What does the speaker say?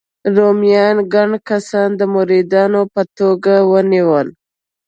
رومیانو ګڼ کسان د مریانو په توګه ونیول.